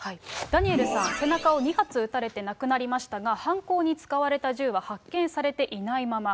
ダニエルさん、背中を２発撃たれて亡くなりましたが、犯行に使われた銃は発見されていないまま。